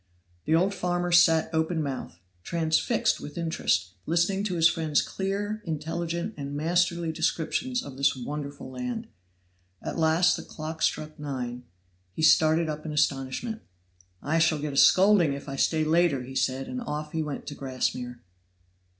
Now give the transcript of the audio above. The old farmer sat open mouthed, transfixed with interest, listening to his friend's clear, intelligent and masterly descriptions of this wonderful land. At last the clock struck nine; he started up in astonishment. "I shall get a scolding if I stay later," said he, and off he went to Grassmere.